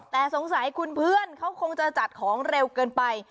แต่สงสัยคุณเพื่อนเขาคงจะจัดของเร็วเกินไป